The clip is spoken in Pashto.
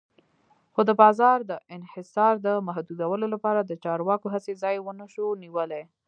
خو د بازار د انحصار د محدودولو لپاره د چارواکو هڅې ځای ونشو نیولی.